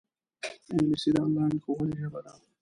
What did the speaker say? انګلیسي د انلاین ښوونې ژبه ده